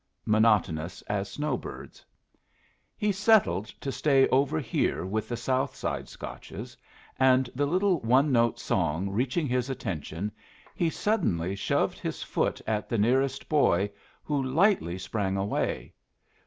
monotonous as snow birds. He settled to stay over here with the south side Scotches, and the little one note song reaching his attention, he suddenly shoved his foot at the nearest boy, who lightly sprang away.